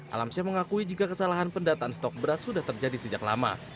alamsyah mengakui jika kesalahan pendataan stok beras sudah terjadi sejak lama